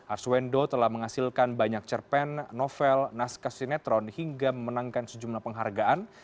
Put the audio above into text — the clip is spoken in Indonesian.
arswendo telah menghasilkan banyak cerpen novel naskah sinetron hingga memenangkan sejumlah penghargaan